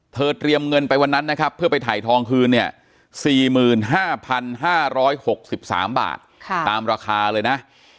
เตรียมเงินไปวันนั้นนะครับเพื่อไปถ่ายทองคืนเนี่ย๔๕๕๖๓บาทตามราคาเลยนะ